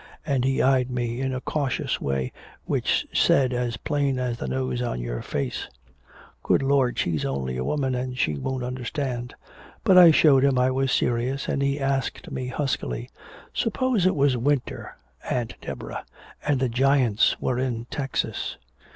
And he eyed me in a cautious way which said as plain as the nose on your face, 'Good Lord, she's only a woman, and she won't understand.' But I showed him I was serious, and he asked me huskily, 'Suppose it was winter, Aunt Deborah, and the Giants were in Texas.